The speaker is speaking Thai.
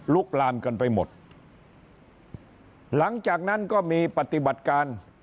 ลามกันไปหมดหลังจากนั้นก็มีปฏิบัติการ